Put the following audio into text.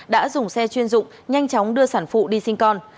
đã dùng xe chuyên dụng nhanh chóng đưa sản phụ đi sinh con